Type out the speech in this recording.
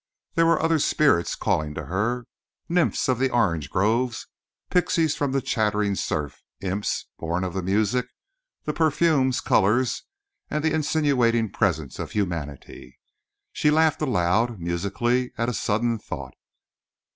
There were other spirits calling to her—nymphs of the orange groves, pixies from the chattering surf, imps, born of the music, the perfumes, colours and the insinuating presence of humanity. She laughed aloud, musically, at a sudden thought.